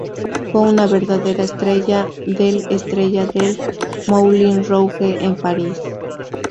Fue una verdadera estrella del estrella del Moulin Rouge en París.